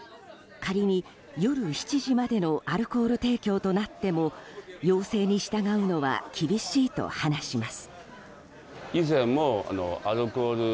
仮に、夜７時までのアルコール提供となっても要請に従うのは厳しいと話します。